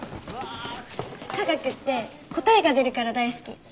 科学って答えが出るから大好き。